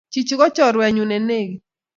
Chichi kochorwennyu ne bekit